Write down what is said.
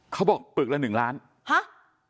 เขาบอกปึกละหนึ่งล้านเฮาะ